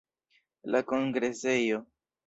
La kongresejo.